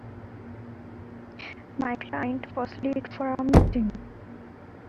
My client was late for our meeting.